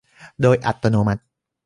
โดยอัตโนมัติ